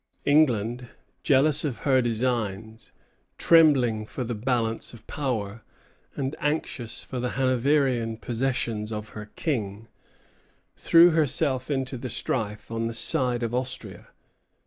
England, jealous of her designs, trembling for the balance of power, and anxious for the Hanoverian possessions of her king, threw herself into the strife on the side of Austria.